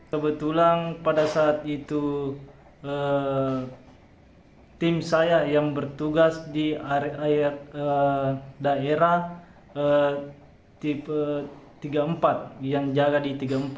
kebetulan pada saat itu tim saya yang bertugas di daerah tipe tiga puluh empat yang jaga di tiga puluh empat